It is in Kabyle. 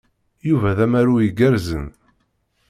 Yuba d amaru igerrzen.